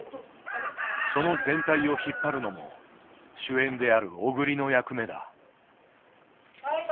その全体を引っ張るのも主演である小栗の役目だ。